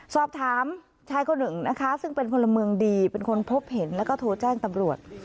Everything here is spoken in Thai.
สอบถามชายคนหนึ่งนะคะซึ่งเป็นพลเมืองดีเป็นคนพบเห็นแล้วก็โทรแจ้งตำรวจ